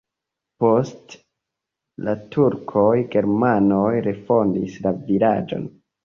Post la turkoj germanoj refondis la vilaĝon.